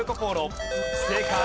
正解。